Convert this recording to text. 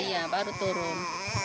iya baru turun